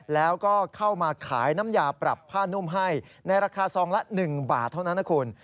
แล้วก็เข้ามาขายน้ำยาปรับผ้านุ่มให้ในราคาซองละ๑บาทเท่านั้นนะคุณ